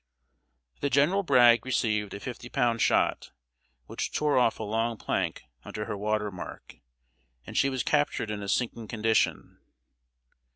The General Bragg received a fifty pound shot, which tore off a long plank under her water mark, and she was captured in a sinking condition.